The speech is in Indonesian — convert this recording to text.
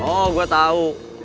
oh gua tau